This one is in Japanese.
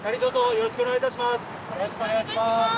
よろしくお願いします。